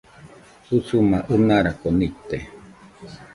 Usuma ɨnarako nite